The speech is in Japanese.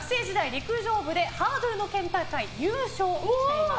陸上部でハードルの県大会優勝しています。